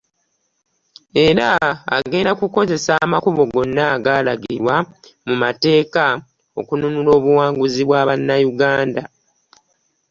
Era agenda kukozesa amakubo gonna agalagirwa mu mateeka okununula obuwanguzi bwa Bannayuganda.